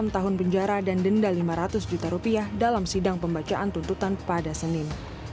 enam tahun penjara dan denda lima ratus juta rupiah dalam sidang pembacaan tuntutan pada senin